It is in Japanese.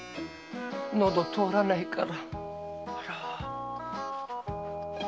喉通らないから。